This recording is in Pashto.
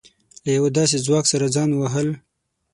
له يوه داسې ځواک سره ځان وهل.